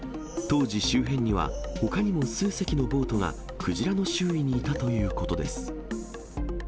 当時、周辺にはほかにも数隻のボートがクジラの周囲にいたということです。